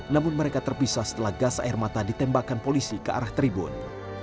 namun mereka terpisah setelah gas air mata ditembakkan polisi ke arah tribun